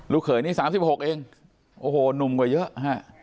ลูกเขยนี่สามสิบหกเองโอ้โหหนุ่มกว่าเยอะฮะ